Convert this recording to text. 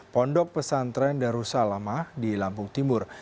pondok pesantren darussalamah di lampung timur